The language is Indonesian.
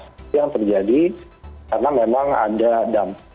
itu yang terjadi karena memang ada dampak